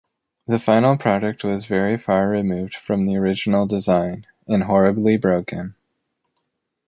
The final product was very far removed from our original design, and horribly broken.